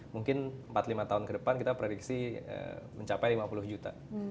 mungkin empat lima tahun ke depan kita prediksi mencapai lima puluh juta